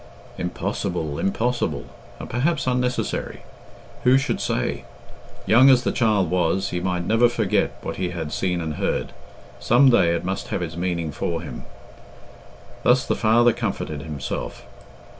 Impossible, impossible! And perhaps unnecessary. Who should say? Young as the child was, he might never forget what he had seen and heard. Some day it must have its meaning for him. Thus the father comforted himself.